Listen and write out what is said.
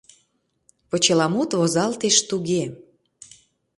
Почеламут возалтеш туге